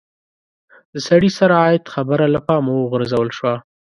د سړي سر عاید خبره له پامه وغورځول شوه.